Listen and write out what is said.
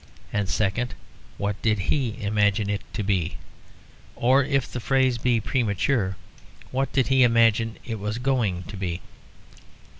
and second, What did he imagine it to be? or, if the phrase be premature, What did he imagine it was going to be?